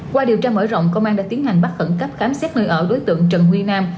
qua điều tra mở rộng công an đã tiến hành bắt khẩn cấp khám xét nơi ở đối tượng trần nguyên nam